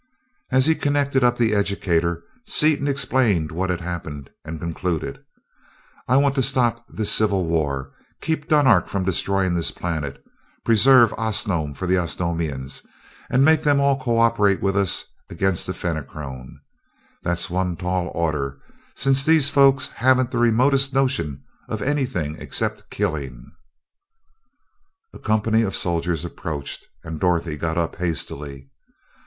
As he connected up the educator, Seaton explained what had happened, and concluded: "I want to stop this civil war, keep Dunark from destroying this planet, preserve Osnome for Osnomians, and make them all co operate with us against the Fenachrone. That's one tall order, since these folks haven't the remotest notion of anything except killing." A company of soldiers approached, and Dorothy got up hastily.